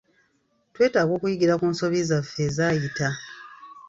Twetaaga okuyigira ku nsobi zaffe ezaayita.